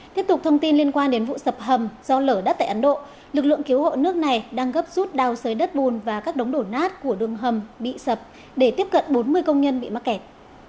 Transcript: tiếp tục thông tin liên quan đến vụ sập hầm do lở đất tại ấn độ lực lượng cứu hộ nước này đang gấp rút đào sới đất bùn và các đống đổ nát của đường hầm bị sập để tiếp cận bốn mươi công nhân bị mắc kẹt